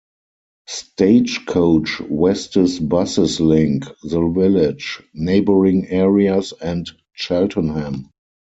Stagecoach West's buses link the village, neighbouring areas and Cheltenham.